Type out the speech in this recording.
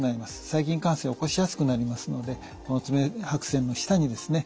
細菌感染を起こしやすくなりますので爪白癬の下にですね